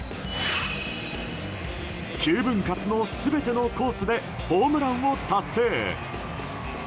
９分割の全てのコースでホームランを達成。